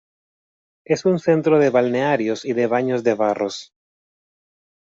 Es un centro de balnearios y de baños de barros.